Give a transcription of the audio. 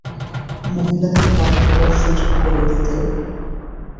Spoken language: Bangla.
মহিলাদের কথা বলার সুযোগ করে দিতে।